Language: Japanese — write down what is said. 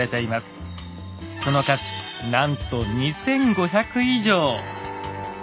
その数なんと２，５００以上。